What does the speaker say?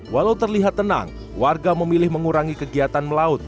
walau terlihat tenang warga memilih mengurangi kegiatan melaut